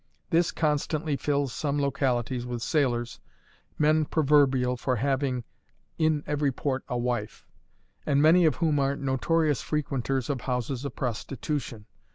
This constantly fills some localities with sailors, men proverbial for having "in every port a wife," and many of whom are notorious frequenters of houses of prostitution.